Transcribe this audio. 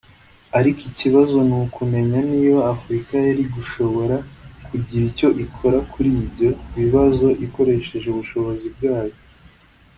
Ariko ikibazo ni ukumenya niba Afurika yari gushobora kugira icyo ikora kuri ibyo bibazo ikoresheje ubushobozi bwayo